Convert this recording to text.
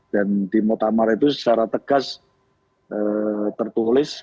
dan di muktamar itu secara tegas tertulis